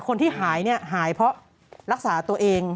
คนที่หายหายเพราะรักษาตัวเอง